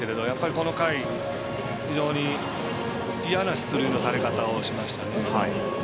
この回、非常に嫌な出塁のされ方をしましたね。